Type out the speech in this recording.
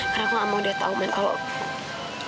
karena aku gak mau dia tahu man kalau